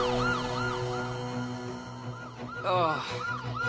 ・ああ。